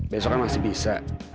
besok kan masih bisa